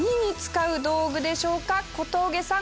小峠さん